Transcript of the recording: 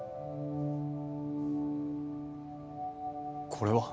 これは？